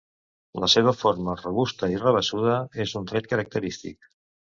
La seva forma robusta i rabassuda és un tret característic.